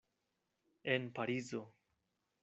En Parizo.